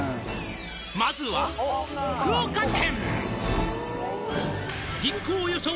「まずは福岡県」